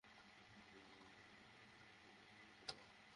সেগুলো বাঁচিয়ে অথবা সরিয়ে দিয়ে কাজ করায় কিছু জটিলতার মুখোমুখি হতে হচ্ছে।